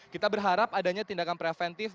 kita berharap adanya tindakan preventif